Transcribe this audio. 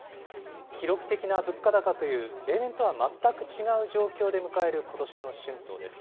記録的な物価高という例年とは全く違う状況で迎えることしの春闘です。